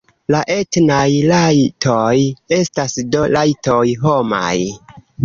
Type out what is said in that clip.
La etnaj rajtoj estas do rajtoj homaj.